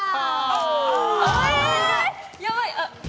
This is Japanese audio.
やばい！